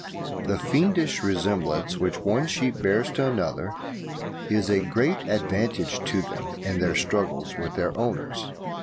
The fiendish resemblance which one sheep bears to another is a great advantage to them in their struggles with their owners.